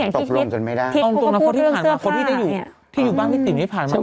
แค่นี้อย่างทิศไป